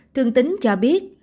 thương tính cho biết